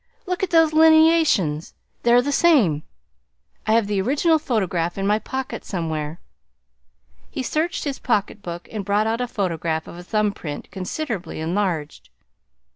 Look at those lineations! They're the same. I have the original photograph in my pocket somewhere." He searched his pocket book and brought out a photograph of a thumb print considerably enlarged.